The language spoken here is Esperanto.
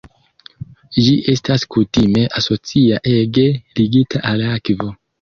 Ĝi estas kutime asocia ege ligita al akvo.